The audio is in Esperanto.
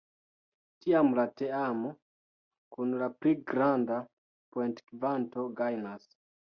Tiam la teamo kun la pli granda poentokvanto gajnas.